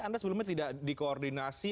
anda sebelumnya tidak dikoordinasi